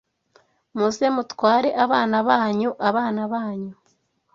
muze mutware abana banyu abana banyu